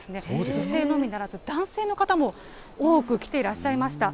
女性のみならず男性の方も多く来ていらっしゃいました。